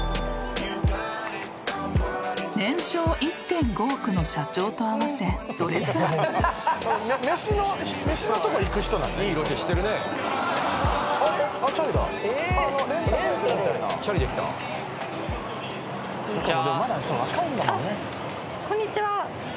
［年商１．５億の社長と合わせドレスアップ］こんにちは。